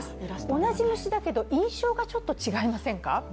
同じ虫だけど、印象がちょっと違いませんか？